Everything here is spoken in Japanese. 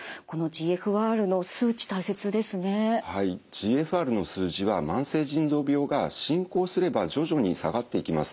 ＧＦＲの数字は慢性腎臓病が進行すれば徐々に下がっていきます。